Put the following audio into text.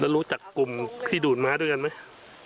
รู้จักกลุ่มที่ดูดม้าด้วยกันไหม